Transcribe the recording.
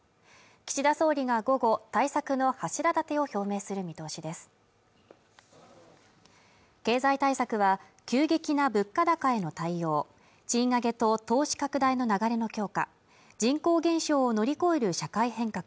岸田総理が午後対策の柱だてを表明する見通しです経済対策は急激な物価高への対応賃上げと投資拡大の流れの強化人口減少を乗り越える社会変革